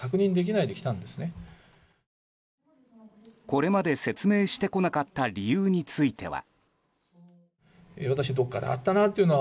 これまで説明してこなかった理由については。